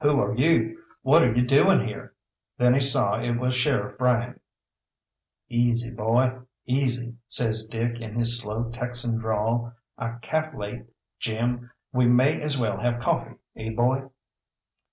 "Who are you? What are you doing here?" Then he saw it was Sheriff Bryant. "Easy, boy, easy!" says Dick in his slow Texan drawl; "I cal'late, Jim, we may as well have coffee, eh, boy?"